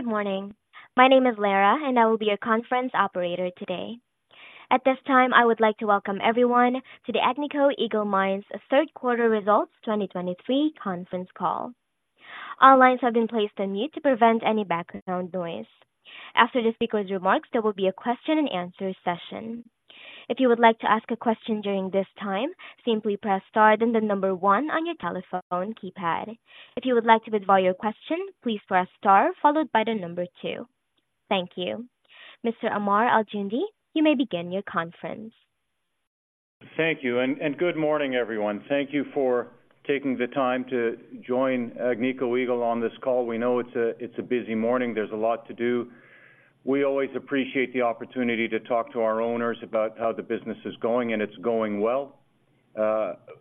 Good morning. My name is Lara, and I will be your conference operator today. At this time, I would like to welcome everyone to the Agnico Eagle Mines' third quarter results, 2023 conference call. All lines have been placed on mute to prevent any background noise. After the speaker's remarks, there will be a question-and-answer session. If you would like to ask a question during this time, simply press star, then the number one on your telephone keypad. If you would like to withdraw your question, please press star followed by the number two. Thank you. Mr. Ammar Al-Joundi, you may begin your conference. Thank you, and good morning, everyone. Thank you for taking the time to join Agnico Eagle on this call. We know it's a busy morning. There's a lot to do. We always appreciate the opportunity to talk to our owners about how the business is going, and it's going well.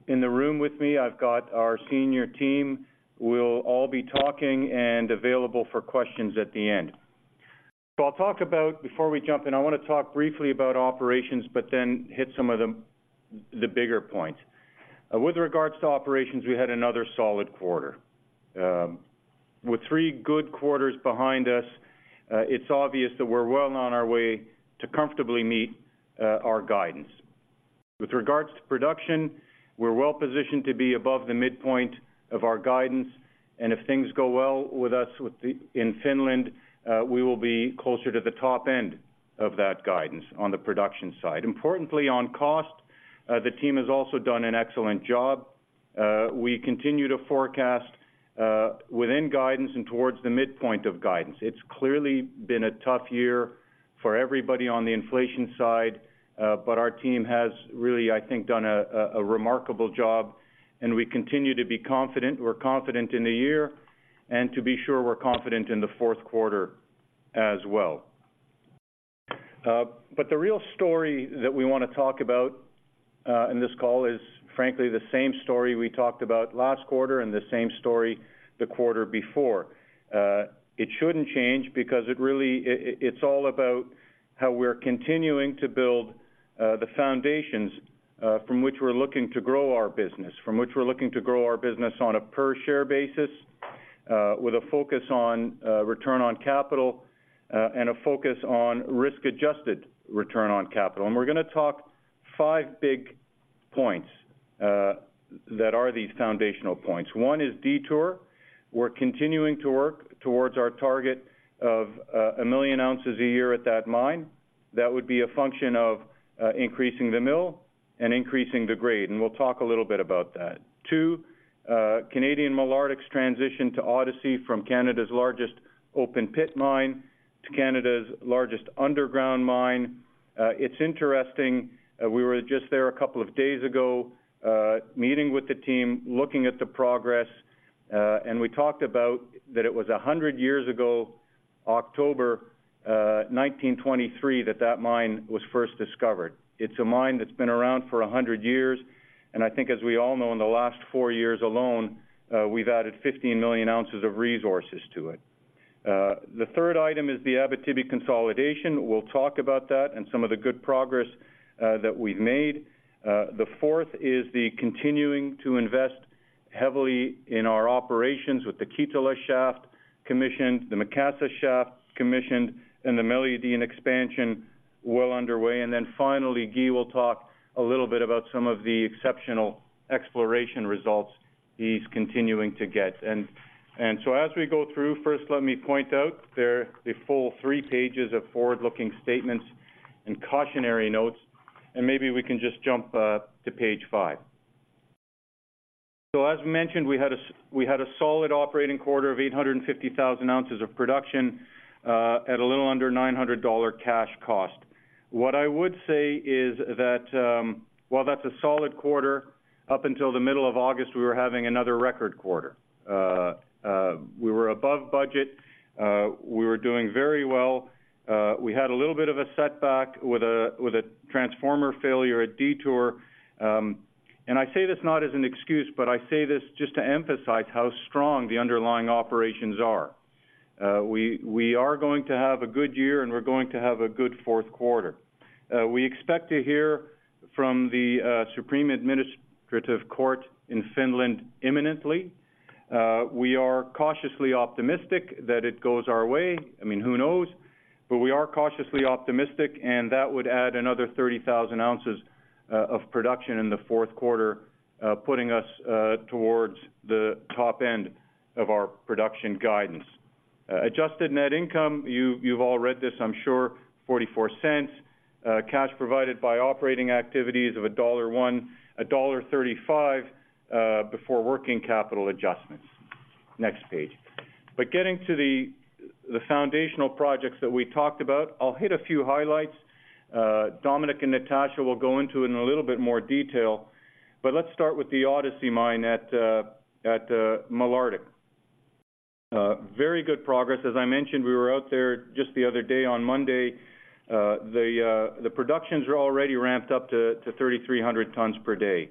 In the room with me, I've got our senior team. We'll all be talking and available for questions at the end. So I'll talk about - Before we jump in, I want to talk briefly about operations, but then hit some of the bigger points. With regards to operations, we had another solid quarter. With three good quarters behind us, it's obvious that we're well on our way to comfortably meet our guidance. With regards to production, we're well positioned to be above the midpoint of our guidance, and if things go well in Finland, we will be closer to the top end of that guidance on the production side. Importantly, on cost, the team has also done an excellent job. We continue to forecast within guidance and towards the midpoint of guidance. It's clearly been a tough year for everybody on the inflation side, but our team has really, I think, done a remarkable job, and we continue to be confident. We're confident in the year, and to be sure, we're confident in the fourth quarter as well. But the real story that we want to talk about in this call is frankly the same story we talked about last quarter and the same story the quarter before. It shouldn't change because it really, it's all about how we're continuing to build the foundations from which we're looking to grow our business, from which we're looking to grow our business on a per share basis, with a focus on return on capital, and a focus on risk-adjusted return on capital. We're going to talk five big points that are these foundational points. One is Detour. We're continuing to work towards our target of 1 million oz a year at that mine. That would be a function of increasing the mill and increasing the grade, and we'll talk a little bit about that. Two, Canadian Malartic's transition to Odyssey from Canada's largest open pit mine to Canada's largest underground mine. It's interesting, we were just there a couple of days ago, meeting with the team, looking at the progress, and we talked about that it was 100 years ago, October, 1923, that that mine was first discovered. It's a mine that's been around for 100 years, and I think as we all know, in the last four years alone, we've added 15 million oz of resources to it. The third item is the Abitibi consolidation. We'll talk about that and some of the good progress that we've made. The fourth is the continuing to invest heavily in our operations with the Kittilä shaft commissioned, the Macassa shaft commissioned, and the Meliadine expansion well underway. Finally, Guy will talk a little bit about some of the exceptional exploration results he's continuing to get. As we go through, first, let me point out there are a full three pages of forward-looking statements and cautionary notes, and maybe we can just jump to page five. As mentioned, we had a solid operating quarter of 850,000 oz of production at a little under $900 cash cost. What I would say is that, while that's a solid quarter, up until the middle of August, we were having another record quarter. We were above budget, we were doing very well. We had a little bit of a setback with a transformer failure at Detour. I say this not as an excuse, but I say this just to emphasize how strong the underlying operations are. We are going to have a good year, and we're going to have a good fourth quarter. We expect to hear from the Supreme Administrative Court in Finland imminently. We are cautiously optimistic that it goes our way. I mean, who knows? But we are cautiously optimistic, and that would add another 30,000 oz of production in the fourth quarter, putting us towards the top end of our production guidance. Adjusted net income, you've all read this, I'm sure, $0.44. Cash provided by operating activities of $1.01, $1.35, before working capital adjustments. Next page. But getting to the foundational projects that we talked about, I'll hit a few highlights. Dominique and Natasha will go into in a little bit more detail, but let's start with the Odyssey mine at Malartic. Very good progress. As I mentioned, we were out there just the other day on Monday. The productions are already ramped up to 3,300 tons per day.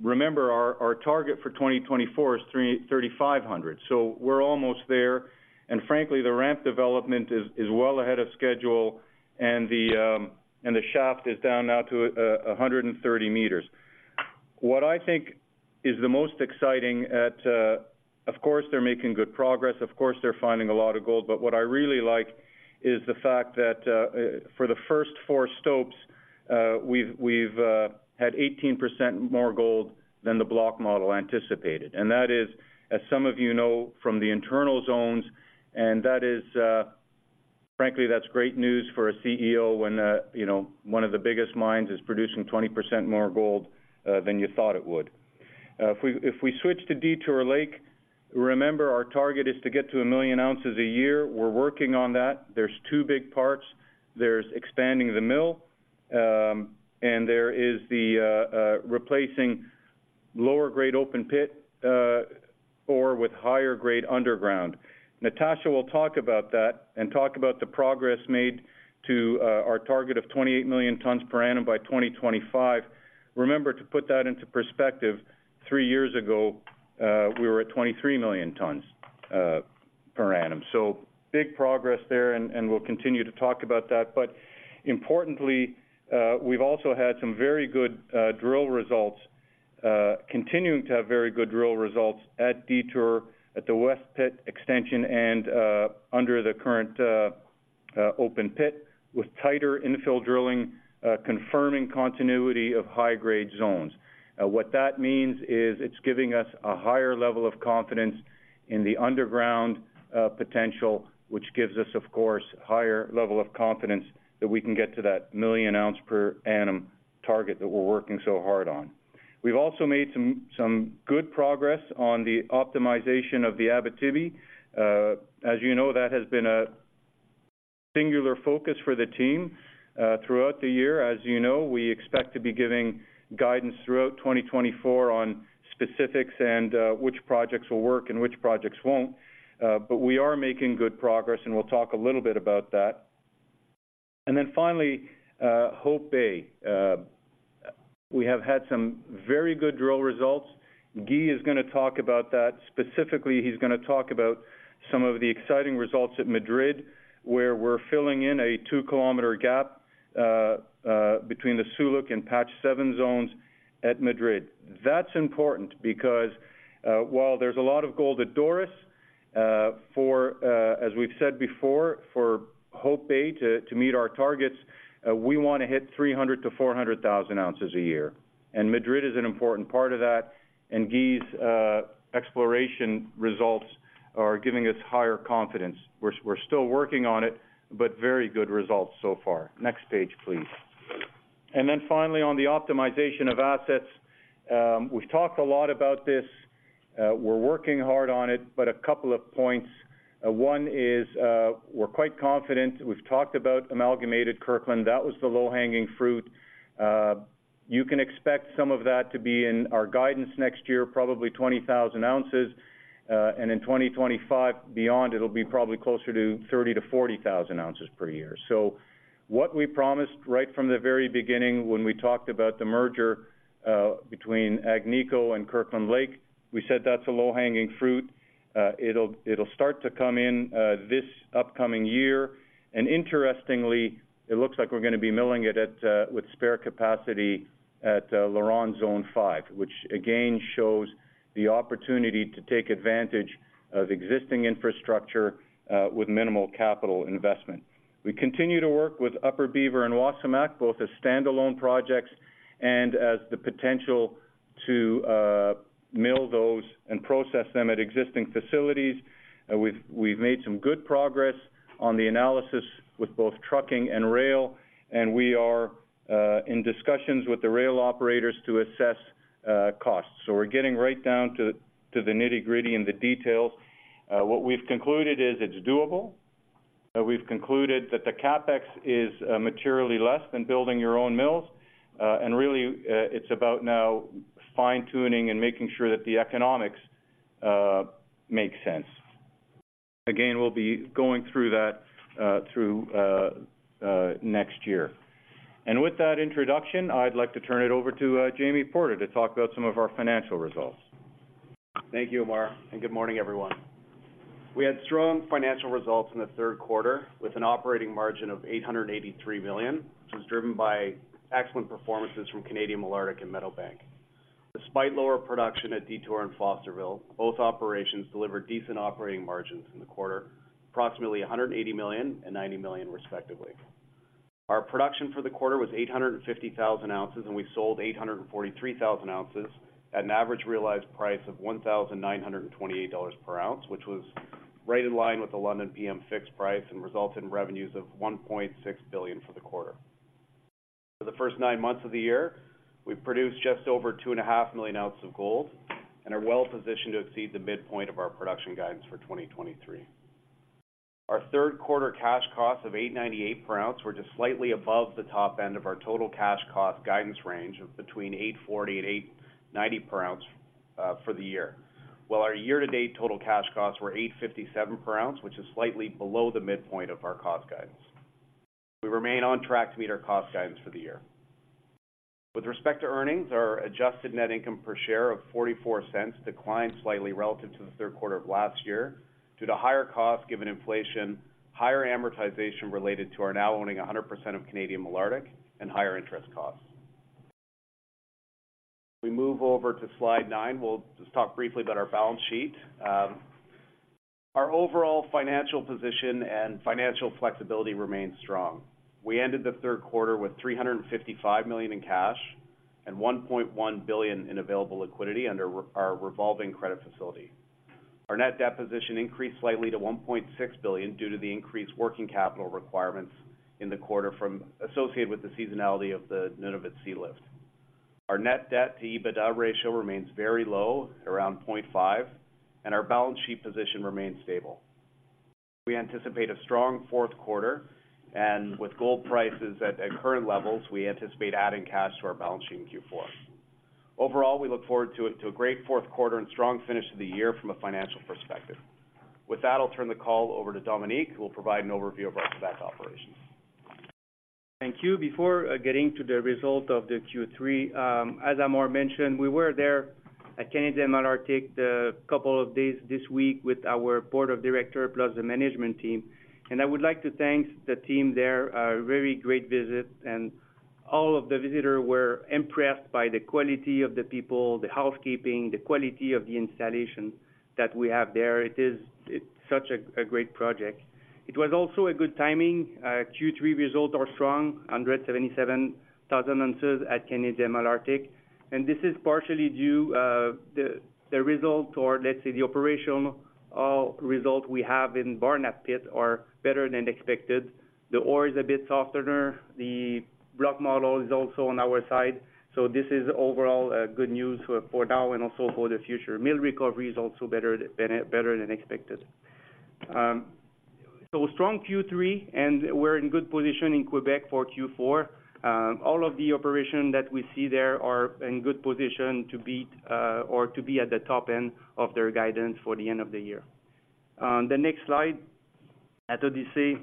Remember, our target for 2024 is 3,500, so we're almost there. And frankly, the ramp development is well ahead of schedule, and the shaft is down now to 130 meters. What I think is the most exciting at, of course, they're making good progress, of course, they're finding a lot of gold, but what I really like is the fact that, for the first four stopes, we've had 18% more gold than the block model anticipated. And that is, as some of you know, from the internal zones, and that is, frankly, that's great news for a CEO when, you know, one of the biggest mines is producing 20% more gold than you thought it would. If we switch to Detour Lake, remember, our target is to get to 1 million oz a year. We're working on that. There's two big parts: There's expanding the mill, and there is the replacing lower grade open pit ore with higher grade underground. Natasha will talk about that and talk about the progress made to our target of 28 million tons per annum by 2025. Remember, to put that into perspective, three years ago, we were at 23 million tons per annum. So big progress there, and we'll continue to talk about that. But importantly, we've also had some very good drill results, continuing to have very good drill results at Detour, at the West Pit extension, and under the current open pit, with tighter infill drilling confirming continuity of high-grade zones. What that means is it's giving us a higher level of confidence in the underground potential, which gives us, of course, higher level of confidence that we can get to that 1 million ounce per annum target that we're working so hard on. We've also made some good progress on the optimization of the Abitibi. As you know, that has been a singular focus for the team throughout the year. As you know, we expect to be giving guidance throughout 2024 on specifics and which projects will work and which projects won't. But we are making good progress, and we'll talk a little bit about that. And then finally, Hope Bay. We have had some very good drill results. Guy is gonna talk about that. Specifically, he's gonna talk about some of the exciting results at Madrid, where we're filling in a 2-km gap between the Suluk and Patch Seven zones at Madrid. That's important because, while there's a lot of gold at Doris, for, as we've said before, for Hope Bay to meet our targets, we want to hit 300-400,000 oz a year. Madrid is an important part of that, and Guy's exploration results are giving us higher confidence. We're still working on it, but very good results so far. Next page, please. Finally, on the optimization of assets, we've talked a lot about this. We're working hard on it, but a couple of points. One is, we're quite confident. We've talked about Amalgamated Kirkland. That was the low-hanging fruit. You can expect some of that to be in our guidance next year, probably 20,000 oz, and in 2025 beyond, it'll be probably closer to 30,000-40,000 oz per year. So what we promised right from the very beginning when we talked about the merger between Agnico and Kirkland Lake, we said that's a low-hanging fruit. It'll start to come in this upcoming year. And interestingly, it looks like we're gonna be milling it at with spare capacity at LaRonde Zone 5, which again shows the opportunity to take advantage of existing infrastructure with minimal capital investment. We continue to work with Upper Beaver and Wasamac, both as standalone projects and as the potential to mill those and process them at existing facilities. We've made some good progress on the analysis with both trucking and rail, and we are in discussions with the rail operators to assess costs. So we're getting right down to the nitty-gritty and the details. What we've concluded is it's doable. We've concluded that the CapEx is materially less than building your own mills. And really, it's about now fine-tuning and making sure that the economics make sense. Again, we'll be going through that through next year. And with that introduction, I'd like to turn it over to Jamie Porter to talk about some of our financial results. Thank you, Ammar, and good morning, everyone. We had strong financial results in the third quarter with an operating margin of $883 million, which was driven by excellent performances from Canadian Malartic and Meadowbank. Despite lower production at Detour and Fosterville, both operations delivered decent operating margins in the quarter, approximately $180 million and $90 million, respectively. Our production for the quarter was 850,000 oz, and we sold 843,000 oz at an average realized price of $1,928 per oz, which was right in line with the London PM fix price and resulted in revenues of $1.6 billion for the quarter. For the first nine months of the year, we've produced just over 2.5 million oz of gold and are well positioned to exceed the midpoint of our production guidance for 2023. Our third quarter cash costs of $898 per ounce were just slightly above the top end of our total cash cost guidance range of between $840 and $890 per oz, for the year, while our year-to-date total cash costs were $857 per oz, which is slightly below the midpoint of our cost guidance. We remain on track to meet our cost guidance for the year. With respect to earnings, our adjusted net income per share of $0.44 declined slightly relative to the third quarter of last year due to higher costs given inflation, higher amortization related to our now owning 100% of Canadian Malartic, and higher interest costs. We move over to slide nine. We'll just talk briefly about our balance sheet. Our overall financial position and financial flexibility remains strong. We ended the third quarter with $355 million in cash and $1.1 billion in available liquidity under our revolving credit facility. Our net debt position increased slightly to $1.6 billion due to the increased working capital requirements in the quarter from, associated with the seasonality of the Nunavut sealift. Our net debt to EBITDA ratio remains very low, around 0.5, and our balance sheet position remains stable. We anticipate a strong fourth quarter, and with gold prices at current levels, we anticipate adding cash to our balance sheet in Q4. Overall, we look forward to a great fourth quarter and strong finish to the year from a financial perspective. With that, I'll turn the call over to Dominique, who will provide an overview of our Quebec operations. Thank you. Before getting to the result of the Q3, as Ammar mentioned, we were there at Canadian Malartic a couple of days this week with our board of directors, plus the management team. I would like to thank the team there, a very great visit, and all of the visitors were impressed by the quality of the people, the housekeeping, the quality of the installation that we have there. It is, it's such a great project. It was also a good timing. Q3 results are strong, 177,000 oz at Canadian Malartic, and this is partially due to the result or, let's say, the operational result we have in Barnat Pit are better than expected. The ore is a bit softer. The block model is also on our side, so this is overall, good news for, for now and also for the future. Mill recovery is also better than, better than expected. So a strong Q3, and we're in good position in Quebec for Q4. All of the operation that we see there are in good position to beat, or to be at the top end of their guidance for the end of the year. On the next slide, at Odyssey,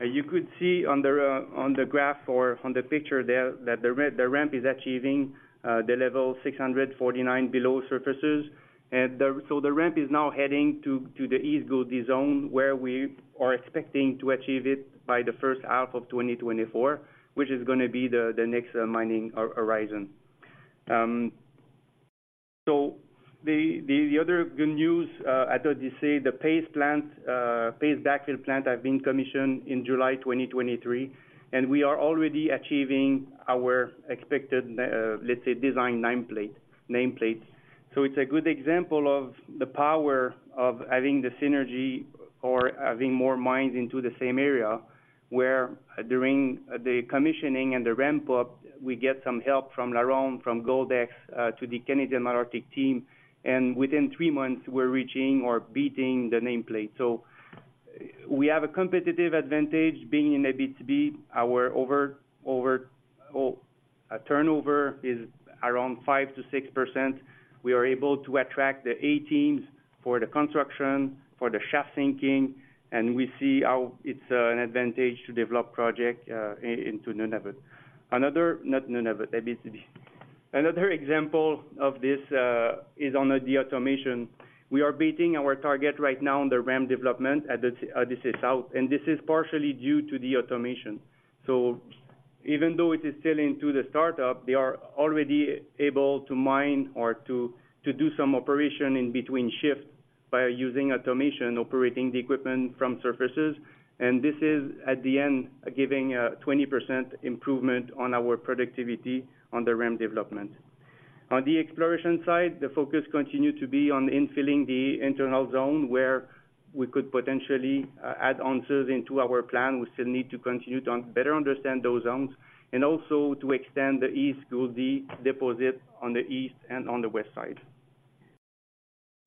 you could see on the, on the graph or on the picture there, that the ramp is achieving, the level 649 below surfaces. The ramp is now heading to the East Gouldie zone, where we are expecting to achieve it by the first half of 2024, which is gonna be the next mining horizon. The other good news at Odyssey, the paste backfill plant, has been commissioned in July 2023, and we are already achieving our expected, let's say, design nameplate. It's a good example of the power of having the synergy or having more mines into the same area, where during the commissioning and the ramp up, we get some help from LaRonde, from Goldex, to the Canadian Malartic team, and within three months, we're reaching or beating the nameplate. We have a competitive advantage being in Abitibi. Our turnover is around 5%-6%. We are able to attract the A teams for the construction, for the shaft sinking, and we see how it's an advantage to develop project into Abitibi. Another example of this is on the automation. We are beating our target right now on the ramp development at the, this is out, and this is partially due to the automation. Even though it is still into the startup, they are already able to mine or to do some operation in between shifts by using automation, operating the equipment from surfaces. This is, at the end, giving a 20% improvement on our productivity on the ramp development. On the exploration side, the focus continued to be on infilling the internal zone, where we could potentially add oz into our plan. We still need to continue to better understand those zones and also to extend the East Gouldie deposit on the east and on the west side.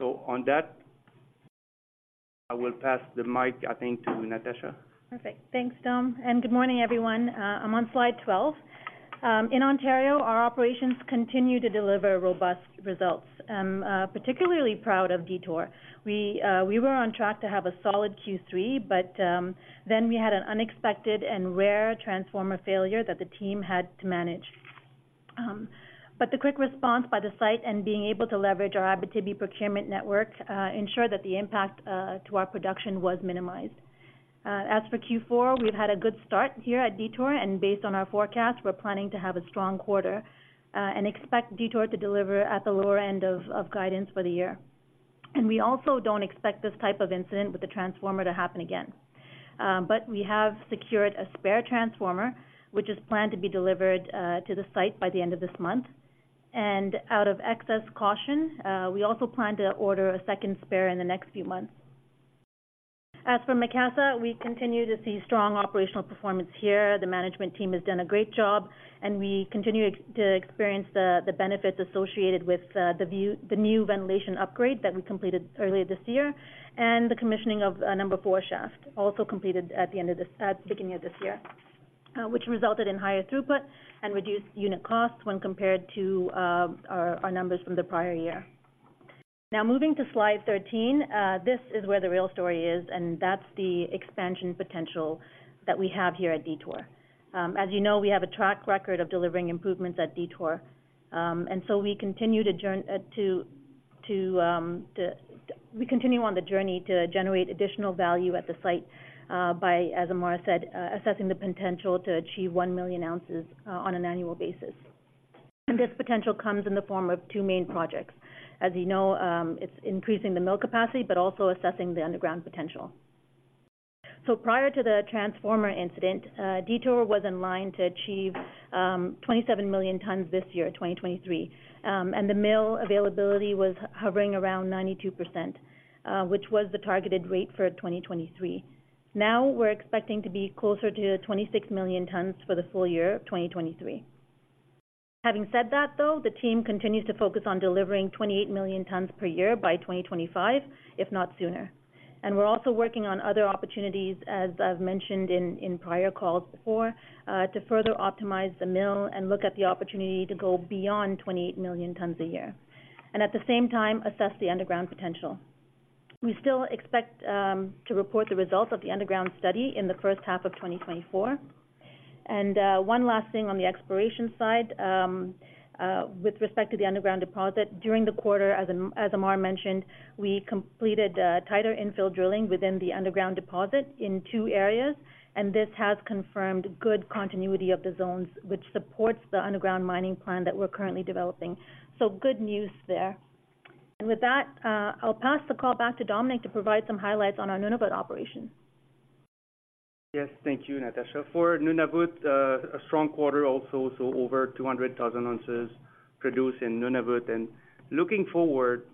On that, I will pass the mic, I think, to Natasha. Perfect. Thanks, Dom, and good morning, everyone. I'm on slide 12. In Ontario, our operations continue to deliver robust results. I'm particularly proud of Detour. We, we were on track to have a solid Q3, but then we had an unexpected and rare transformer failure that the team had to manage. But the quick response by the site and being able to leverage our Abitibi procurement network ensured that the impact to our production was minimized. As for Q4, we've had a good start here at Detour, and based on our forecast, we're planning to have a strong quarter, and expect Detour to deliver at the lower end of guidance for the year. And we also don't expect this type of incident with the transformer to happen again. We have secured a spare transformer, which is planned to be delivered to the site by the end of this month. Out of excess caution, we also plan to order a second spare in the next few months. As for Macassa, we continue to see strong operational performance here. The management team has done a great job, and we continue to experience the benefits associated with the new ventilation upgrade that we completed earlier this year, and the commissioning of number four shaft, also completed at the beginning of this year, which resulted in higher throughput and reduced unit costs when compared to our numbers from the prior year. Now, moving to slide 13, this is where the real story is, and that's the expansion potential that we have here at Detour. As you know, we have a track record of delivering improvements at Detour, and so we continue on the journey to generate additional value at the site, by, as Ammar said, assessing the potential to achieve 1 million oz, on an annual basis. And this potential comes in the form of two main projects. As you know, it's increasing the mill capacity, but also assessing the underground potential. So prior to the transformer incident, Detour was in line to achieve, 27 million tons this year, 2023. And the mill availability was hovering around 92%, which was the targeted rate for 2023. Now, we're expecting to be closer to 26 million tons for the full year of 2023. Having said that, though, the team continues to focus on delivering 28 million tons per year by 2025, if not sooner. And we're also working on other opportunities, as I've mentioned in prior calls before, to further optimize the mill and look at the opportunity to go beyond 28 million tons a year. And at the same time, assess the underground potential. We still expect to report the results of the underground study in the first half of 2024. And one last thing on the exploration side, with respect to the underground deposit. During the quarter, as Ammar mentioned, we completed tighter infill drilling within the underground deposit in two areas, and this has confirmed good continuity of the zones, which supports the underground mining plan that we're currently developing. So good news there. And with that, I'll pass the call back to Dominique to provide some highlights on our Nunavut operation. Yes, thank you, Natasha. For Nunavut, a strong quarter also, so over 200,000 oz produced in Nunavut. Looking forward,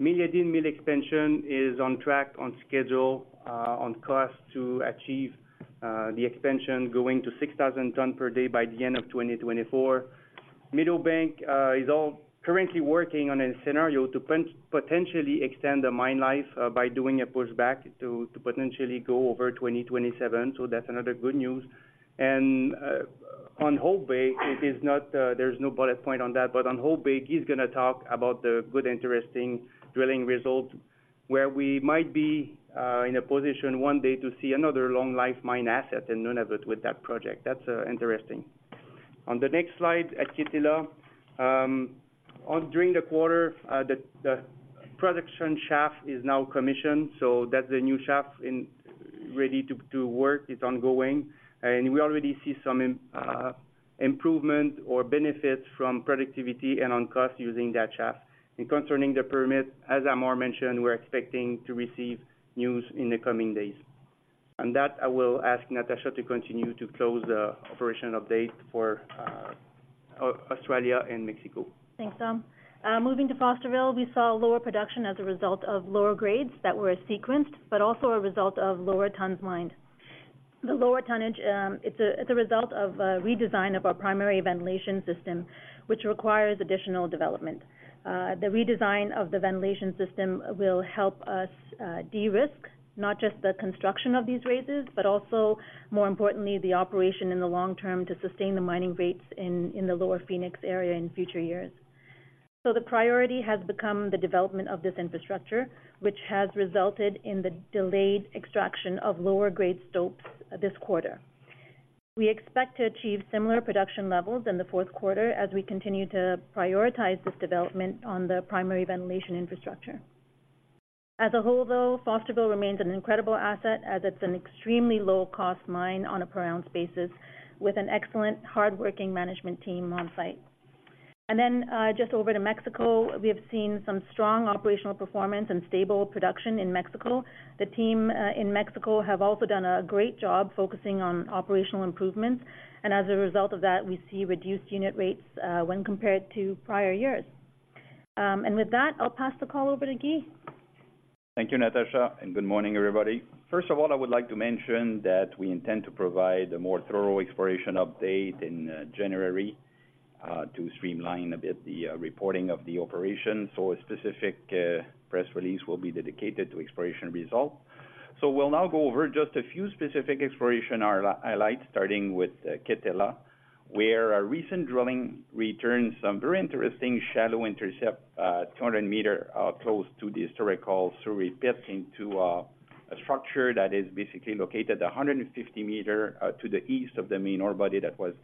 Meliadine mill expansion is on track, on schedule, on cost to achieve the expansion going to 6,000 tons per day by the end of 2024. Meadowbank is all currently working on a scenario to potentially extend the mine life by doing a pushback to potentially go over 2027, so that's another good news. On Hope Bay, it is not, there's no bullet point on that, but on Hope Bay, he's gonna talk about the good, interesting drilling results, where we might be in a position one day to see another long life mine asset in Nunavut with that project. That's interesting. On the next slide, at Kittilä, during the quarter, the production shaft is now commissioned, so that's the new shaft in, ready to work. It's ongoing, and we already see some improvement or benefits from productivity and on cost using that shaft. Concerning the permit, as Ammar mentioned, we're expecting to receive news in the coming days. On that, I will ask Natasha to continue to close the operational update for Australia and Mexico. Thanks, Dom. Moving to Fosterville, we saw lower production as a result of lower grades that were sequenced, but also a result of lower tons mined. The lower tonnage, it's a result of a redesign of our primary ventilation system, which requires additional development. The redesign of the ventilation system will help us de-risk not just the construction of these raises, but also, more importantly, the operation in the long term to sustain the mining rates in the Lower Phoenix area in future years. So the priority has become the development of this infrastructure, which has resulted in the delayed extraction of lower grade stopes this quarter. We expect to achieve similar production levels in the fourth quarter as we continue to prioritize this development on the primary ventilation infrastructure. As a whole, though, Fosterville remains an incredible asset, as it's an extremely low-cost mine on a per-ounce basis, with an excellent, hardworking management team on site. And then, just over to Mexico, we have seen some strong operational performance and stable production in Mexico. The team, in Mexico have also done a great job focusing on operational improvements, and as a result of that, we see reduced unit rates, when compared to prior years. And with that, I'll pass the call over to Guy. Thank you, Natasha, and good morning, everybody. First of all, I would like to mention that we intend to provide a more thorough exploration update in January to streamline a bit the reporting of the operation. So a specific press release will be dedicated to exploration results. So we'll now go over just a few specific exploration highlights, starting with Kittilä, where our recent drilling returned some very interesting shallow intercept, 200 m close to the historic hole, through we picked into a structure that is basically located 150 m to the east of the main ore body that was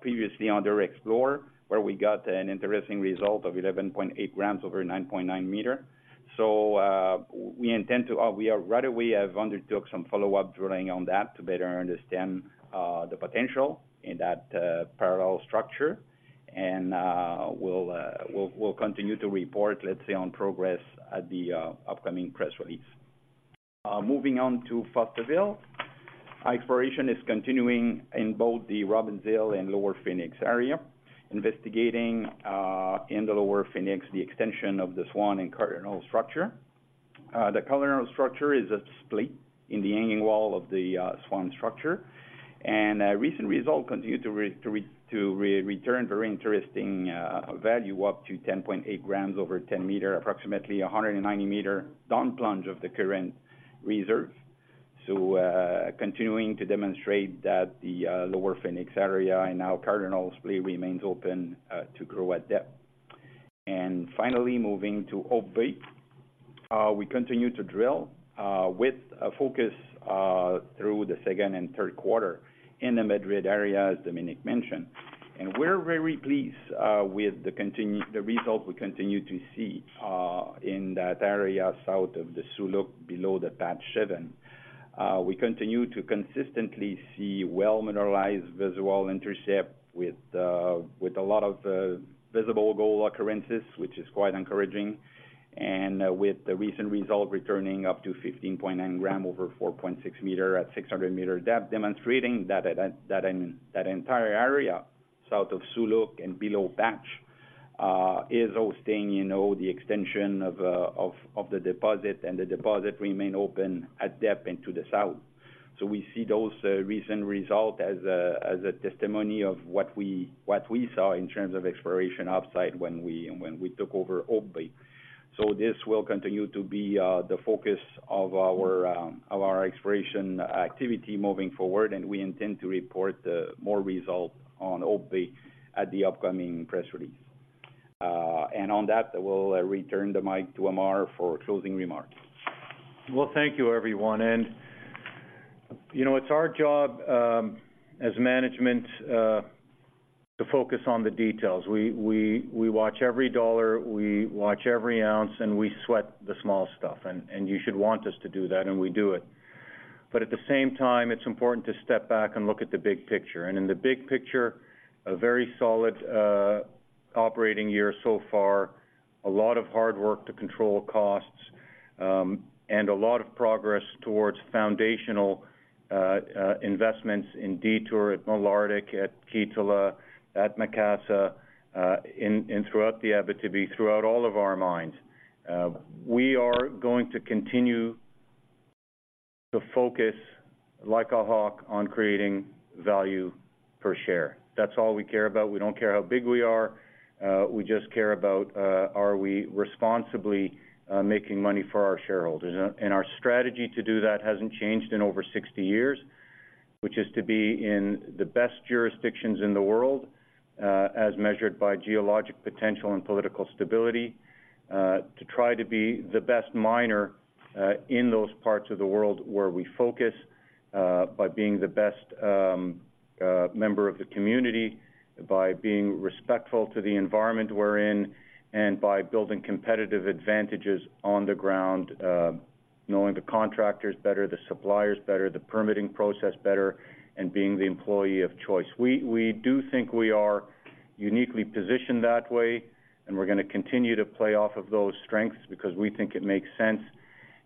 previously underexplored, where we got an interesting result of 11.8 g over 9.9 m. We intend to, we are right away have undertook some follow-up drilling on that to better understand the potential in that parallel structure. We'll continue to report, let's say, on progress at the upcoming press release. Moving on to Fosterville. Exploration is continuing in both the Robinsville and Lower Phoenix area, investigating in the Lower Phoenix the extension of the Swan and Cardinal Structure. The Cardinal Structure is a split in the hanging wall of the Swan Structure, and recent results continue to return very interesting value, up to 10.8 g over 10 m, approximately 190 m down plunge of the current reserve. Continuing to demonstrate that the Lower Phoenix area and now Cardinal split remains open to grow at depth. Finally, moving to Hope Bay, we continue to drill with a focus through the second and third quarter in the Madrid area, as Dominic mentioned. We're very pleased with the results we continue to see in that area south of the Suluk, below the Patch Seven. We continue to consistently see well mineralized, visible intercept with a lot of visible gold occurrences, which is quite encouraging. With the recent result returning up to 15.9 g over 4.6 m at 600 m depth, demonstrating that entire area, south of Suluk and below Patch, is hosting, you know, the extension of the deposit, and the deposit remain open at depth into the south. So we see those recent result as a testimony of what we saw in terms of exploration upside when we took over Hope Bay. So this will continue to be the focus of our exploration activity moving forward, and we intend to report more results on Hope Bay at the upcoming press release. And on that, I will return the mic to Ammar for closing remarks. Well, thank you, everyone. You know, it's our job as management to focus on the details. We watch every dollar, we watch every ounce, and we sweat the small stuff, and you should want us to do that, and we do it. At the same time, it's important to step back and look at the big picture. In the big picture, a very solid operating year so far, a lot of hard work to control costs, and a lot of progress towards foundational investments in Detour, at Malartic, at Kittilä, at Macassa, in and throughout the Abitibi, throughout all of our mines. We are going to continue to focus like a hawk on creating value per share. That's all we care about. We don't care how big we are, we just care about, are we responsibly making money for our shareholders? And our strategy to do that hasn't changed in over 60 years, which is to be in the best jurisdictions in the world, as measured by geologic potential and political stability, to try to be the best miner in those parts of the world where we focus, by being the best member of the community, by being respectful to the environment we're in, and by building competitive advantages on the ground, knowing the contractors better, the suppliers better, the permitting process better, and being the employee of choice. We do think we are uniquely positioned that way, and we're gonna continue to play off of those strengths because we think it makes sense.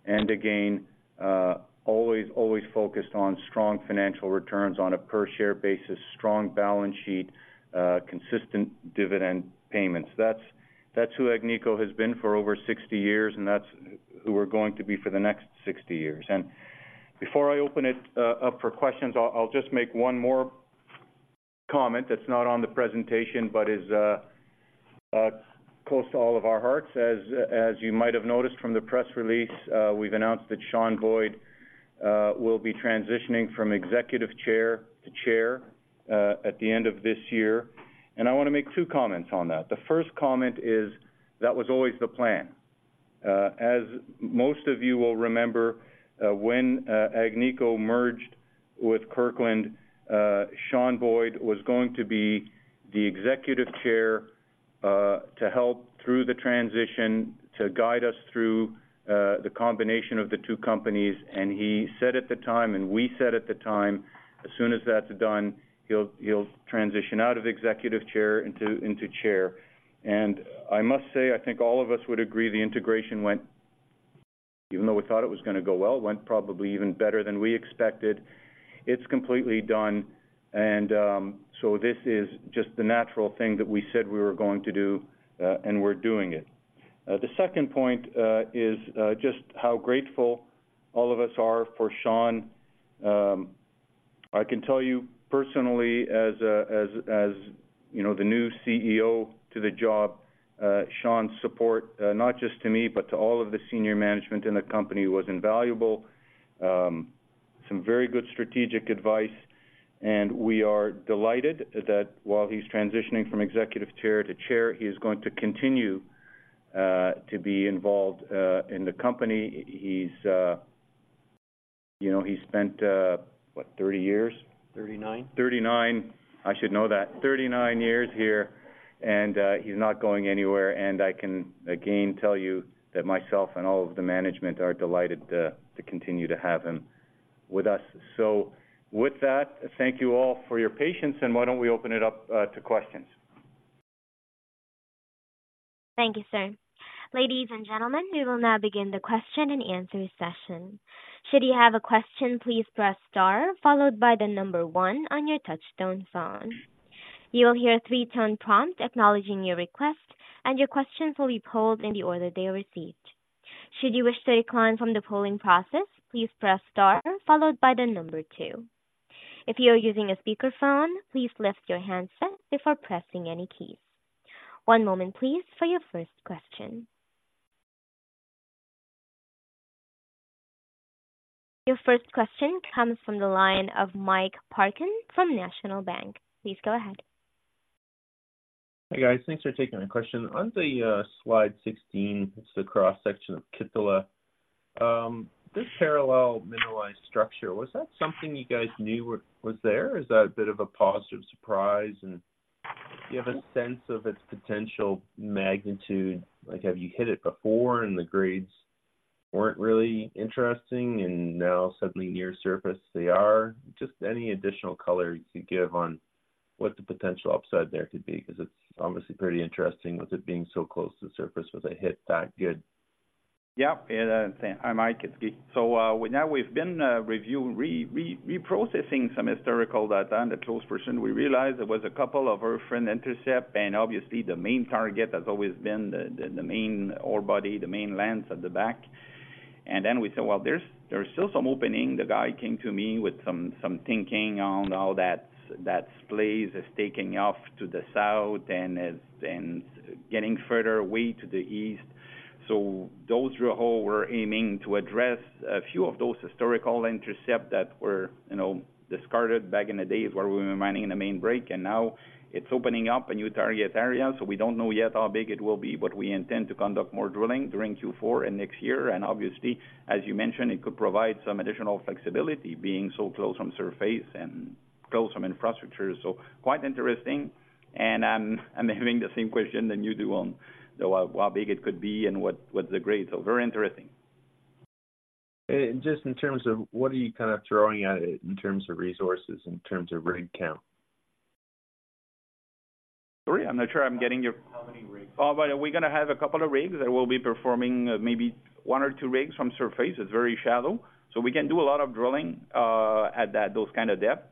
And again, always, always focused on strong financial returns on a per-share basis, strong balance sheet, consistent dividend payments. That's, that's who Agnico has been for over 60 years, and that's who we're going to be for the next 60 years. And before I open it up for questions, I'll, I'll just make one more comment that's not on the presentation, but is, uh, close to all of our hearts. As, as you might have noticed from the press release, we've announced that Sean Boyd will be transitioning from executive chair to chair at the end of this year. And I wanna make two comments on that. The first comment is, that was always the plan. As most of you will remember, when Agnico merged with Kirkland, Sean Boyd was going to be the Executive Chair to help through the transition, to guide us through the combination of the two companies. He said at the time, and we said at the time, as soon as that's done, he'll transition out of Executive Chair into Chair. I must say, I think all of us would agree, the integration went... Even though we thought it was going to go well, it went probably even better than we expected. It's completely done, and this is just the natural thing that we said we were going to do, and we're doing it. The second point is just how grateful all of us are for Sean. I can tell you personally as a, you know, the new CEO to the job, Sean's support not just to me, but to all of the senior management in the company, was invaluable. Some very good strategic advice, and we are delighted that while he's transitioning from executive chair to chair, he is going to continue to be involved in the company. He's, you know, he spent, what, 30 years? 39. 39. I should know that. 39 years here, and he's not going anywhere. And I can again tell you that myself and all of the management are delighted to continue to have him with us. So with that, thank you all for your patience, and why don't we open it up to questions? Thank you, sir. Ladies and gentlemen, we will now begin the question and answer session. Should you have a question, please press star, followed by the number one on your touchtone phone. You will hear a three-tone prompt acknowledging your request, and your questions will be polled in the order they are received. Should you wish to decline from the polling process, please press star followed by the number two. If you are using a speakerphone, please lift your handset before pressing any keys. One moment, please, for your first question.... Your first question comes from the line of Mike Parkin from National Bank. Please go ahead. Hey, guys. Thanks for taking my question. On the slide 16, it's the cross-section of Kittilä. This parallel mineralized structure, was that something you guys knew was there? Is that a bit of a positive surprise? And do you have a sense of its potential magnitude? Like, have you hit it before, and the grades weren't really interesting, and now suddenly near surface, they are? Just any additional color you could give on what the potential upside there could be, 'cause it's obviously pretty interesting with it being so close to the surface with a hit that good. Yeah, yeah. Hi, Mike, it's me. Now we've been reviewing, reprocessing some historical data on the close person. We realized there was a couple of our friend intercept, and obviously, the main target has always been the main ore body, the main lens at the back. We said, "Well, there's still some opening." The guy came to me with some thinking on how that splays is taking off to the south and is getting further away to the east. So those holes, we're aiming to address a few of those historical intercepts that were, you know, discarded back in the days where we were mining in the main break, and now it's opening up a new target area, so we don't know yet how big it will be, but we intend to conduct more drilling during Q4 and next year. Obviously, as you mentioned, it could provide some additional flexibility being so close from surface and close from infrastructure. So quite interesting, and I'm having the same question than you do on how big it could be and what's the grade. So very interesting. Just in terms of what are you kind of throwing at it in terms of resources, in terms of rig count? Sorry, I'm not sure I'm getting your- How many rigs? Oh, but we're gonna have a couple of rigs that will be performing, maybe one or two rigs from surface. It's very shallow, so we can do a lot of drilling at that, those kind of depth,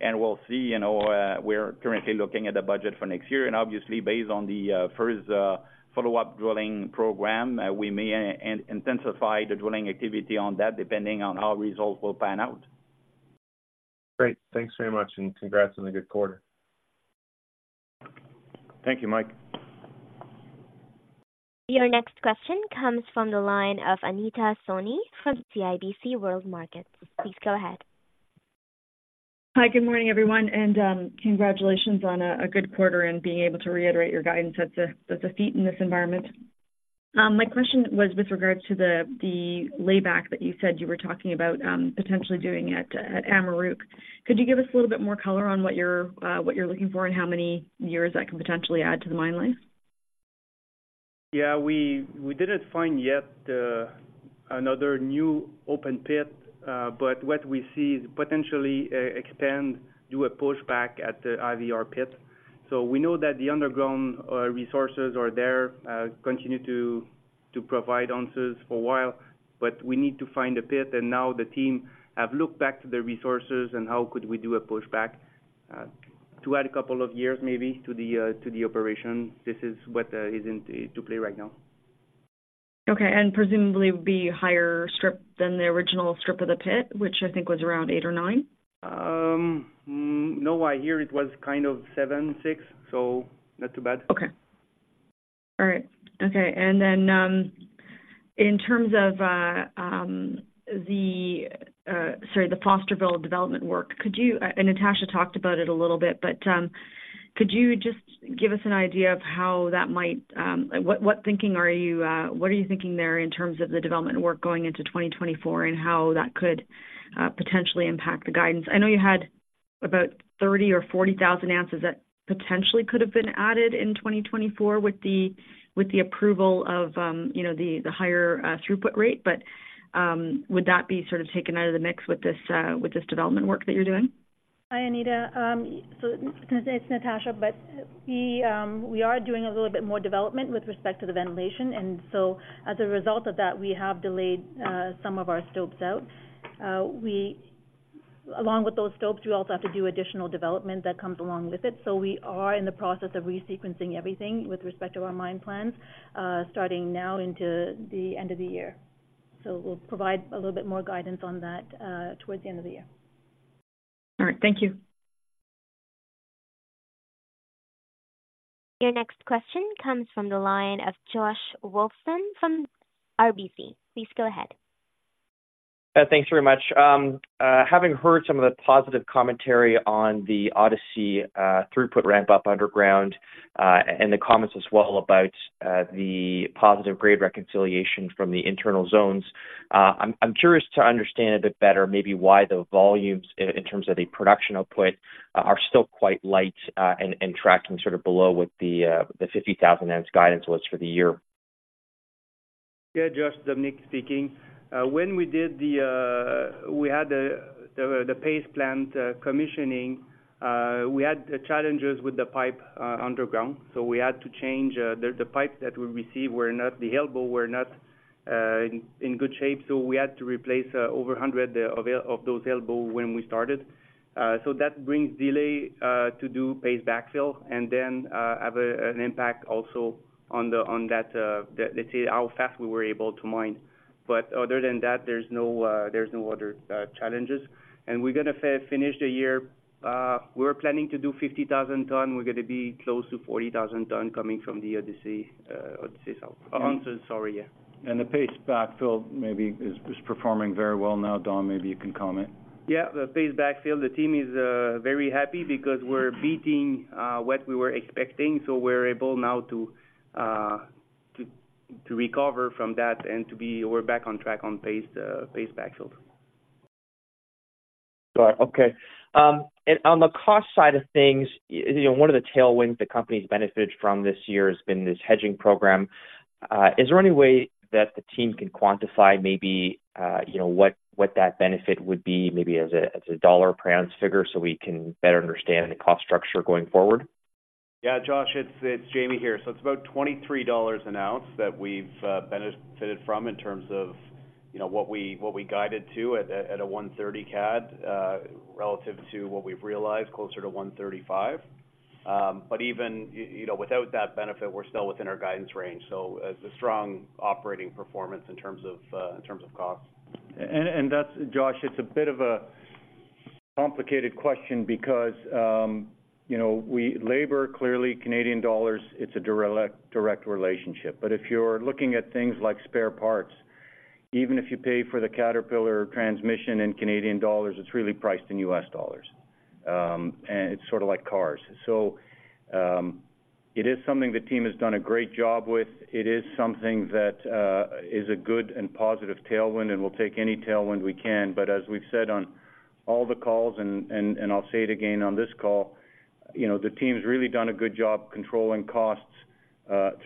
and we'll see. You know, we're currently looking at the budget for next year, and obviously, based on the first, follow-up drilling program, we may intensify the drilling activity on that, depending on how results will pan out. Great. Thanks very much, and congrats on a good quarter. Thank you, Mike. Your next question comes from the line of Anita Soni from CIBC World Markets. Please go ahead. Hi, good morning, everyone, and, congratulations on a good quarter and being able to reiterate your guidance. That's a feat in this environment. My question was with regards to the layback that you said you were talking about, potentially doing at Amaruq. Could you give us a little bit more color on what you're looking for and how many years that can potentially add to the mine life? Yeah, we, we didn't find yet another new open pit, but what we see is potentially expand, do a pushback at the IVR Pit. So we know that the underground resources are there, continue to provide answers for a while, but we need to find a pit, and now the team have looked back to the resources and how could we do a pushback to add a couple of years, maybe, to the operation. This is what is in play right now. Okay, and presumably be higher strip than the original strip of the pit, which I think was around eight or nine? No, I hear it was kind of seven, six, so not too bad. Okay. All right. Okay, and then, in terms of, sorry, the Fosterville development work, could you... And Natasha talked about it a little bit, but, could you just give us an idea of how that might, what thinking are you, what are you thinking there in terms of the development work going into 2024 and how that could, potentially impact the guidance? I know you had about 30 thousand oz or 40 thousand oz that potentially could have been added in 2024 with the, with the approval of, you know, the, the higher, throughput rate, but, would that be sort of taken out of the mix with this, with this development work that you're doing? Hi, Anita. So it's Natasha, but we, we are doing a little bit more development with respect to the ventilation, and so as a result of that, we have delayed some of our stopes out. Along with those stopes, we also have to do additional development that comes along with it, so we are in the process of resequencing everything with respect to our mine plans, starting now into the end of the year. We'll provide a little bit more guidance on that, towards the end of the year. All right. Thank you. Your next question comes from the line of Josh Wolfson from RBC. Please go ahead. Thanks very much. Having heard some of the positive commentary on the Odyssey throughput ramp-up underground, and the comments as well about the positive grade reconciliation from the internal zones, I'm curious to understand a bit better, maybe why the volumes in terms of the production output are still quite light, and tracking sort of below what the 50,000 oz guidance was for the year? Yeah, Josh, Dominic speaking. When we did the, we had the pace plant commissioning, we had the challenges with the pipe underground, so we had to change, the pipe that we received were not, the elbow were not in good shape, so we had to replace over 100 of those elbow when we started. That brings delay to do pace backfill and then have an impact also on that, let's say, how fast we were able to mine. Other than that, there's no, there's no other challenges. We're gonna finish the year... We were planning to do 50,000 ton. We're gonna be close to 40,000 ton coming from the Odyssey, Odyssey South. Ounces, sorry, yeah. The paste backfill maybe is performing very well now. Dom, maybe you can comment. Yeah. The paste backfill, the team is very happy because we're beating what we were expecting. So we're able now to recover from that and to be-- we're back on track on paste backfill.... Got it. Okay. And on the cost side of things, you know, one of the tailwinds the company's benefited from this year has been this hedging program. Is there any way that the team can quantify maybe, you know, what that benefit would be, maybe as a dollar per ounce figure, so we can better understand the cost structure going forward? Yeah, Josh, it's Jamie here. So it's about $23 an oz that we've benefited from in terms of, you know, what we guided to at a 1.30 CAD, relative to what we've realized, closer to 1.35. But even, you know, without that benefit, we're still within our guidance range. So it's a strong operating performance in terms of costs. That's, Josh, it's a bit of a complicated question because, you know, we labor clearly Canadian dollars, it's a direct, direct relationship. If you're looking at things like spare parts, even if you pay for the Caterpillar transmission in Canadian dollars, it's really priced in US dollars. It's sort of like cars. It is something the team has done a great job with. It is something that is a good and positive tailwind, and we'll take any tailwind we can. As we've said on all the calls, and I'll say it again on this call, you know, the team's really done a good job controlling costs,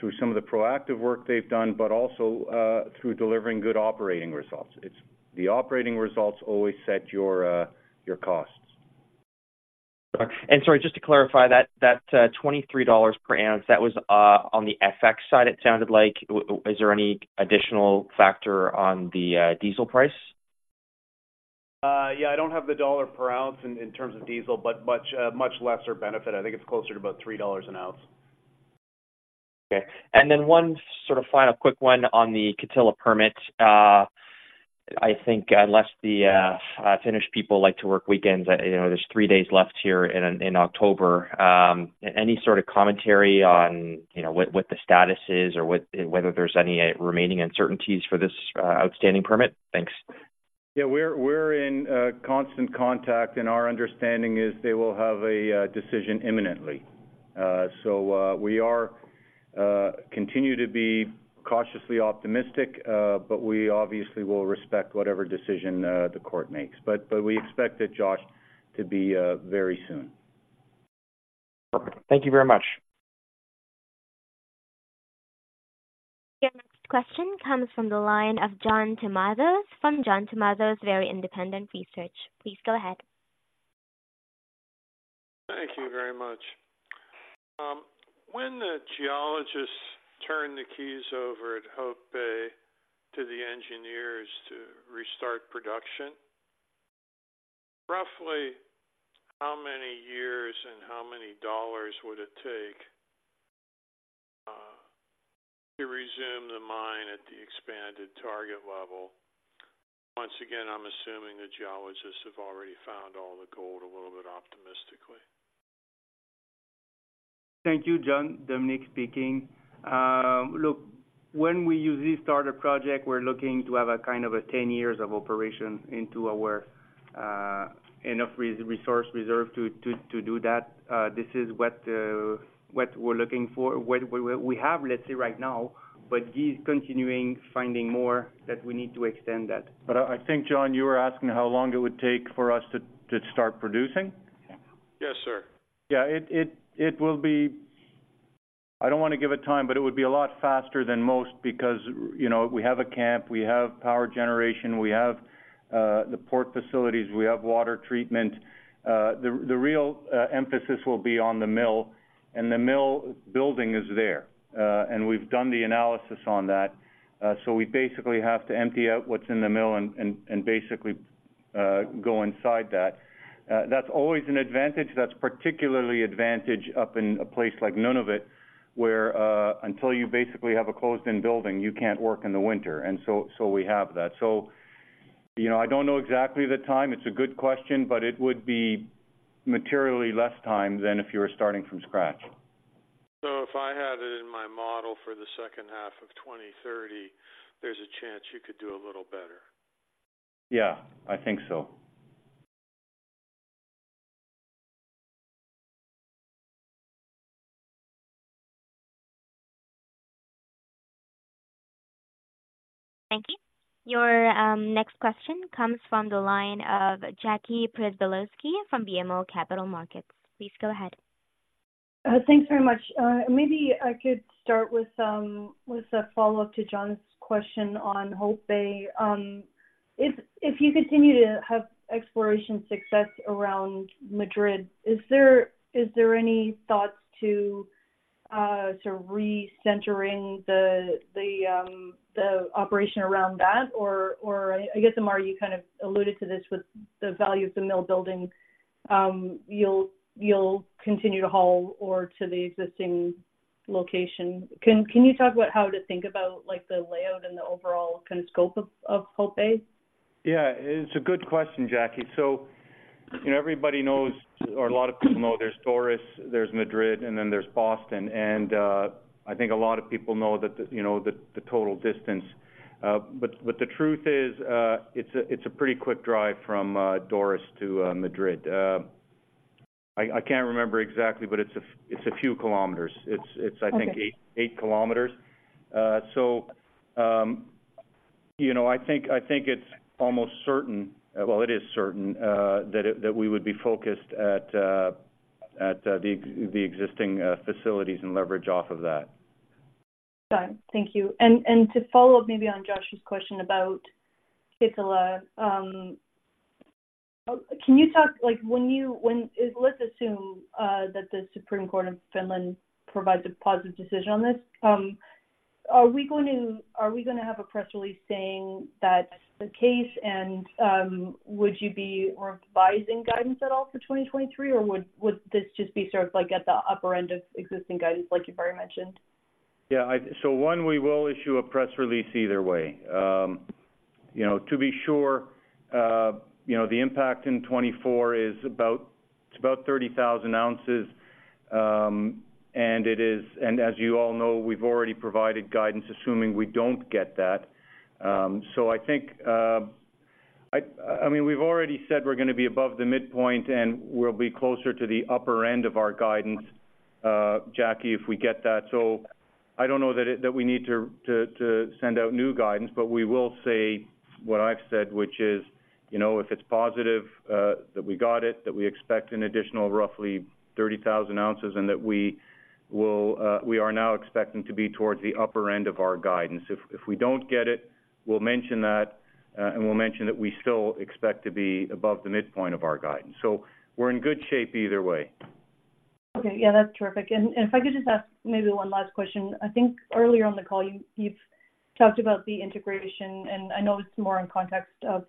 through some of the proactive work they've done, but also through delivering good operating results. It's the operating results always set your costs. Sorry, just to clarify, that $23 per oz, that was on the FX side, it sounded like. Is there any additional factor on the diesel price? Yeah, I don't have the $ per oz in terms of diesel, but much lesser benefit. I think it's closer to about $3 an oz. Okay. And then one sort of final quick one on the Kittilä permit. I think, unless the Finnish people like to work weekends, you know, there's three days left here in October. Any sort of commentary on, you know, what the status is or whether there's any remaining uncertainties for this outstanding permit? Thanks. Yeah, we're in constant contact, and our understanding is they will have a decision imminently. We continue to be cautiously optimistic, but we obviously will respect whatever decision the court makes. But we expect it, Josh, to be very soon. Perfect. Thank you very much. Your next question comes from the line of John Tumazos, from John Tumazos Very Independent Research. Please go ahead. Thank you very much. When the geologists turn the keys over at Hope Bay to the engineers to restart production, roughly how many years and how many dollars would it take to resume the mine at the expanded target level? Once again, I'm assuming the geologists have already found all the gold a little bit optimistically. Thank you, John. Dominique speaking. Look, when we use this starter project, we're looking to have a kind of 10 years of operation into our enough resource reserve to do that. This is what we're looking for, what we have, let's say, right now, but he's continuing finding more that we need to extend that. But I think, John, you were asking how long it would take for us to start producing? Yes, sir. Yeah, it will be... I don't want to give a time, but it would be a lot faster than most because, you know, we have a camp, we have power generation, we have the port facilities, we have water treatment. The real emphasis will be on the mill, and the mill building is there. We've done the analysis on that. We basically have to empty out what's in the mill and basically go inside that. That's always an advantage, that's particularly an advantage up in a place like Nunavut, where, until you basically have a closed-in building, you can't work in the winter. We have that. You know, I don't know exactly the time. It's a good question, but it would be materially less time than if you were starting from scratch. If I had it in my model for the second half of 2030, there's a chance you could do a little better? Yeah, I think so. Thank you. Your next question comes from the line of Jackie Przybylowski from BMO Capital Markets. Please go ahead. Thanks very much. Maybe I could start with a follow-up to John's question on Hope Bay. If you continue to have exploration success around Madrid, is there any thoughts to sort of recentering the operation around that? Or I guess, Ammar, you kind of alluded to this with the value of the mill building. You'll continue to haul ore to the existing location. Can you talk about how to think about, like, the layout and the overall kind of scope of Hope Bay? Yeah, it's a good question, Jackie. So, you know, everybody knows, or a lot of people know there's Doris, there's Madrid, and then there's Boston. And, I think a lot of people know that the, you know, the, the total distance. But, the truth is, it's a pretty quick drive from, Doris to, Madrid. I can't remember exactly, but it's a few kilometers. It's, I think, 8 km. So, you know, I think it's almost certain, well, it is certain, that we would be focused at, the existing facilities and leverage off of that. Got it. Thank you. To follow up maybe on Josh's question about Kittilä, can you talk, like, let's assume that the Supreme Court of Finland provides a positive decision on this. Are we gonna have a press release saying that's the case? Would you be revising guidance at all for 2023, or would this just be sort of, like, at the upper end of existing guidance like you've already mentioned? Yeah, I-- One, we will issue a press release either way. You know, to be sure, you know, the impact in 2024 is about, it's about 30,000 oz, and it is-- and as you all know, we've already provided guidance, assuming we don't get that. I think, I mean, we've already said we're gonna be above the midpoint, and we'll be closer to the upper end of our guidance, Jackie, if we get that. I don't know that it-- that we need to send out new guidance, but we will say what I've said, which is, you know, if it's positive, that we got it, that we expect an additional roughly 30,000 oz, and that we will, we are now expecting to be towards the upper end of our guidance. If we don't get it, we'll mention that, and we'll mention that we still expect to be above the midpoint of our guidance. So we're in good shape either way. Okay, yeah, that's terrific. And if I could just ask maybe one last question. I think earlier on the call, you've talked about the integration, and I know it's more in context of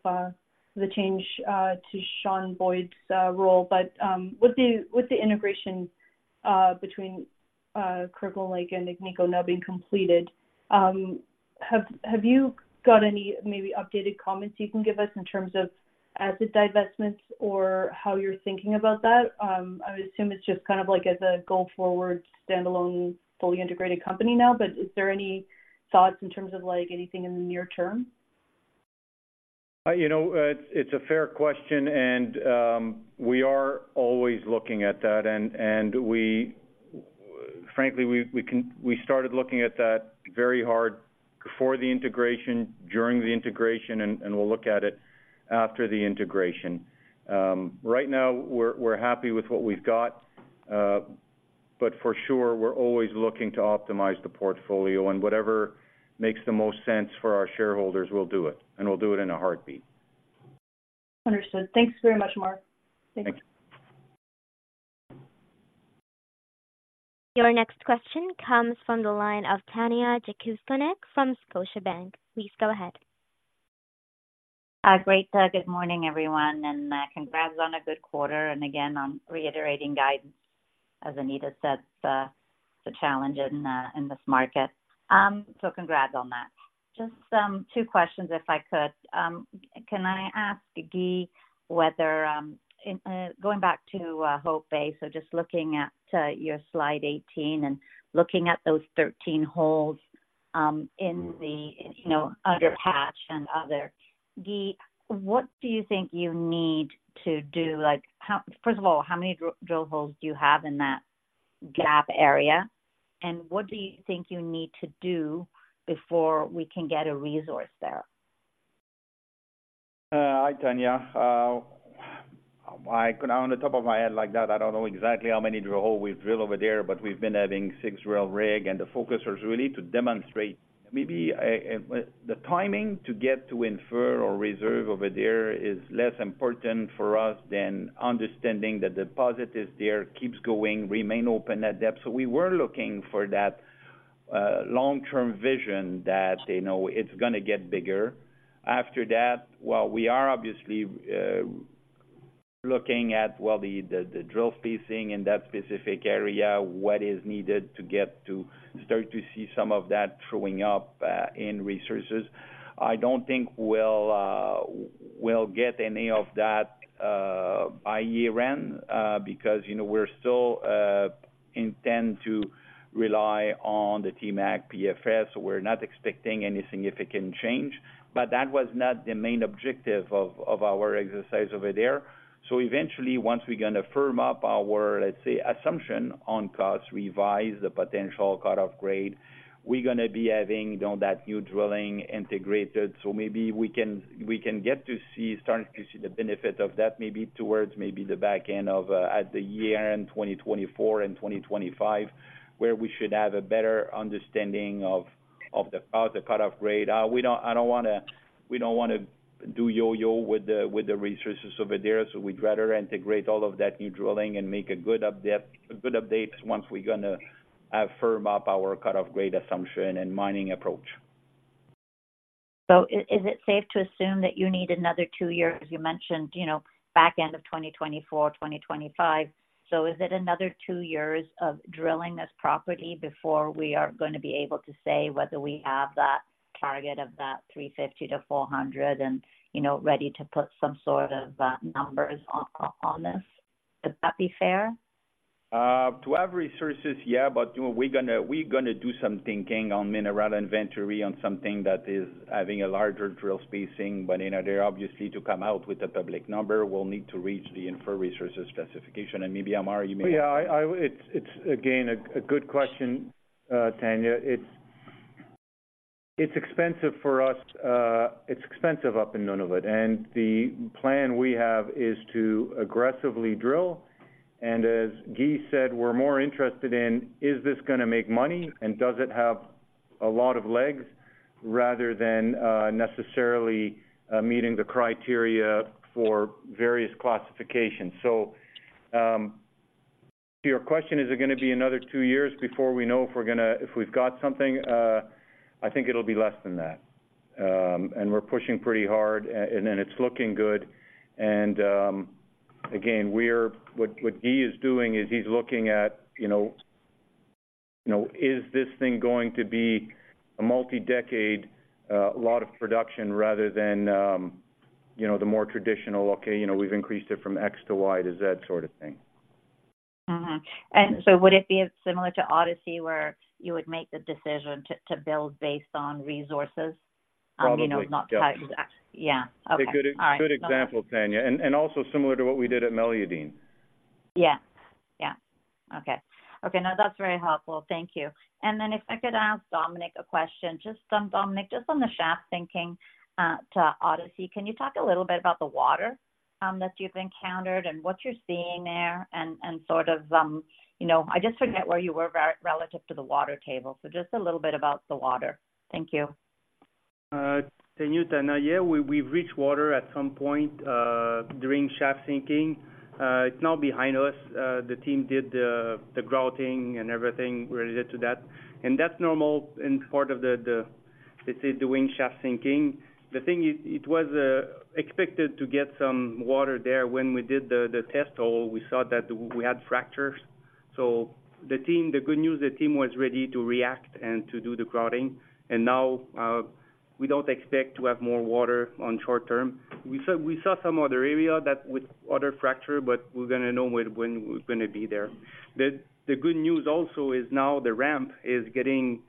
the change to Sean Boyd's role. But with the integration between Kirkland Lake and Agnico now being completed, have you got any maybe updated comments you can give us in terms of asset divestments or how you're thinking about that? I would assume it's just kind of like as a go-forward, standalone, fully integrated company now, but is there any thoughts in terms of, like, anything in the near term? You know, it's a fair question, and we are always looking at that. Frankly, we started looking at that very hard before the integration, during the integration, and we'll look at it after the integration. Right now, we're happy with what we've got, but for sure, we're always looking to optimize the portfolio, and whatever makes the most sense for our shareholders, we'll do it, and we'll do it in a heartbeat. Understood. Thanks very much, Ammar. Thank you. Your next question comes from the line of Tanya Jakusconek from Scotiabank. Please go ahead. Great, good morning, everyone, and congrats on a good quarter, and again on reiterating guidance. As Anita said, it's a challenge in this market, so congrats on that. Just two questions, if I could. Can I ask Guy whether, in going back to Hope Bay, so just looking at your slide 18 and looking at those 13 holes, in the, you know, under Patch and other. Guy, what do you think you need to do? Like, first of all, how many drill holes do you have in that gap area, and what do you think you need to do before we can get a resource there? Hi, Tanya. I, on the top of my head like that, I don't know exactly how many drill hole we've drilled over there, but we've been having six drill rig, and the focus was really to demonstrate. Maybe the timing to get to infer or reserve over there is less important for us than understanding that the deposit is there, keeps going, remain open at depth. We were looking for that long-term vision that, you know, it's gonna get bigger. After that, well, we are obviously looking at, well, the drill spacing in that specific area, what is needed to get to start to see some of that showing up in resources. I don't think we'll get any of that by year-end because, you know, we're still intend to rely on the TMAC PFS, so we're not expecting any significant change. But that was not the main objective of our exercise over there. So eventually, once we're gonna firm up our, let's say, assumption on costs, revise the potential cut-off grade, we're gonna be having, you know, that new drilling integrated. So maybe we can get to see, starting to see the benefit of that, maybe towards the back end of at the year-end 2024 and 2025, where we should have a better understanding of the cut, the cut-off grade. We don't want to do yo-yo with the resources over there, so we'd rather integrate all of that new drilling and make a good update, a good update once we're gonna firm up our cut-off grade assumption and mining approach. So is, is it safe to assume that you need another two years? You mentioned, you know, back end of 2024, 2025. So is it another two years of drilling this property before we are going to be able to say whether we have that target of that 350-400, you know, ready to put some sort of numbers on, on, on this? Would that be fair?... to have resources, yeah, but, you know, we're gonna, we're gonna do some thinking on mineral inventory on something that is having a larger drill spacing. But, you know, they're obviously to come out with a public number, we'll need to reach the inferred resources specification. And maybe, Ammar, you may- Yeah, it's again a good question, Tanya. It's expensive for us, it's expensive up in Nunavut, and the plan we have is to aggressively drill. And as Guy said, we're more interested in is this gonna make money, and does it have a lot of legs, rather than necessarily meeting the criteria for various classifications? So, to your question, is it gonna be another two years before we know if we're gonna—if we've got something? I think it'll be less than that. And we're pushing pretty hard, and it's looking good. Again, what Guy is doing is he's looking at, you know, you know, is this thing going to be a multi-decade lot of production rather than, you know, the more traditional, okay, you know, we've increased it from X to Y to Z sort of thing. Mm-hmm. And so would it be similar to Odyssey, where you would make the decision to build based on resources? Probably. You know, not quite exact. Yeah. Okay. A good, good example, Tanya, and, and also similar to what we did at Meliadine. Yeah. Yeah. Okay. Okay, now, that's very helpful. Thank you. And then if I could ask Dominique a question, just on Dominique, just on the shaft sinking to Odyssey. Can you talk a little bit about the water that you've encountered and what you're seeing there, and, and sort of, you know, I just forget where you were relative to the water table. So just a little bit about the water. Thank you. Thank you, Tanya. Yeah, we, we've reached water at some point during shaft sinking. It's now behind us. The team did the, the grouting and everything related to that, and that's normal and part of the, the, let's say, doing shaft sinking. The thing is, it was expected to get some water there. When we did the, the test hole, we saw that we had fractures. So the team, the good news, the team was ready to react and to do the grouting, and now we don't expect to have more water on short term. We saw, we saw some other area that with water fracture, but we're gonna know when, when we're gonna be there. The good news also is now the ramp is getting,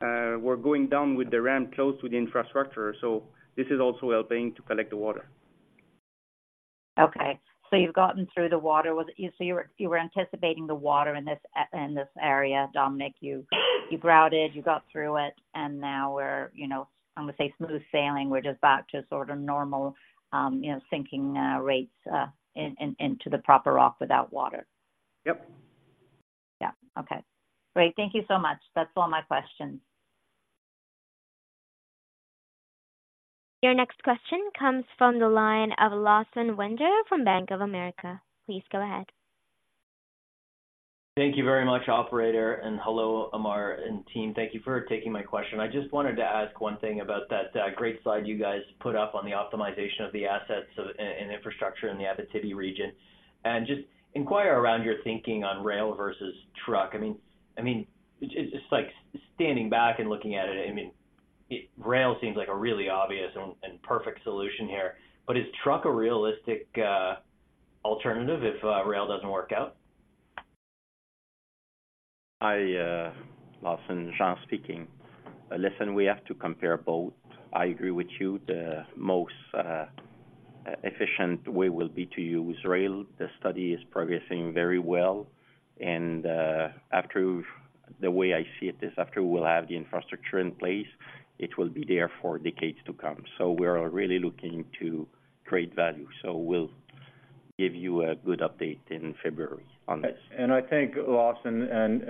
we're going down with the ramp close to the infrastructure, so this is also helping to collect the water. Okay, so you've gotten through the water. So you were anticipating the water in this area, Dominique, you grouted, you got through it, and now we're, you know, I'm gonna say smooth sailing. We're just back to sort of normal, you know, sinking rates into the proper rock without water. Yep. Yeah. Okay. Great. Thank you so much. That's all my questions. Your next question comes from the line of Lawson Winder from Bank of America. Please go ahead. Thank you very much, operator, and hello, Ammar and team. Thank you for taking my question. I just wanted to ask one thing about that great slide you guys put up on the optimization of the assets and infrastructure in the Abitibi region, and just inquire around your thinking on rail versus truck. I mean, just like standing back and looking at it, I mean, rail seems like a really obvious and perfect solution here, but is truck a realistic alternative if rail doesn't work out? I, Lawson, Jean speaking. Listen, we have to compare both. I agree with you, the most efficient way will be to use rail. The study is progressing very well, and after... The way I see it is, after we'll have the infrastructure in place, it will be there for decades to come. So we are really looking to create value. So we'll give you a good update in February on this. And I think, Lawson,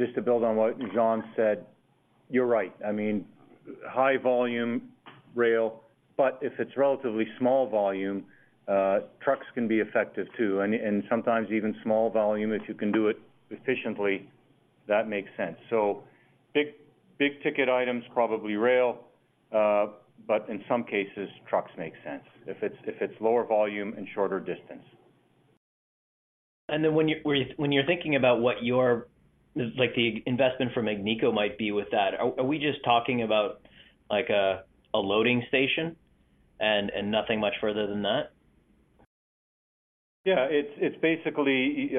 just to build on what Jean said, you're right. I mean, high volume rail, but if it's relatively small volume, trucks can be effective too. And sometimes even small volume, if you can do it efficiently, that makes sense. So big, big-ticket items, probably rail, but in some cases, trucks make sense, if it's lower volume and shorter distance. Then when you're thinking about what the investment from Agnico might be with that, are we just talking about like a loading station and nothing much further than that? Yeah, it's basically,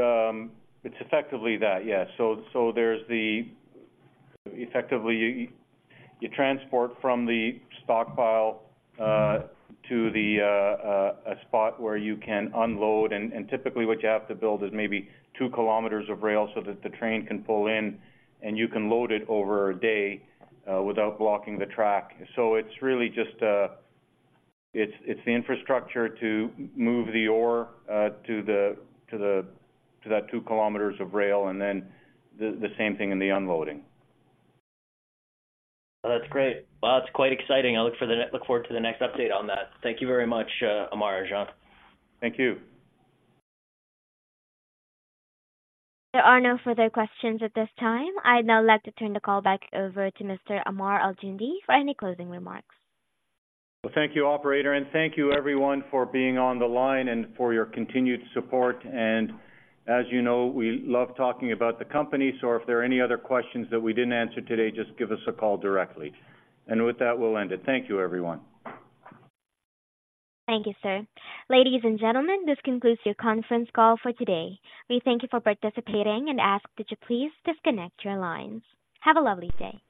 it's effectively that, yeah. There's effectively, you transport from the stockpile to a spot where you can unload. Typically, what you have to build is maybe 2 km of rail so that the train can pull in, and you can load it over a day without blocking the track. It's really just the infrastructure to move the ore to that 2 km of rail, and then the same thing in the unloading. That's great. Well, that's quite exciting. I look forward to the next update on that. Thank you very much, Ammar, Jean. Thank you. There are no further questions at this time. I'd now like to turn the call back over to Mr. Ammar Al-Joundi for any closing remarks. Well, thank you, operator, and thank you everyone for being on the line and for your continued support. And as you know, we love talking about the company, so if there are any other questions that we didn't answer today, just give us a call directly. And with that, we'll end it. Thank you, everyone. Thank you, sir. Ladies and gentlemen, this concludes your conference call for today. We thank you for participating and ask that you please disconnect your lines. Have a lovely day.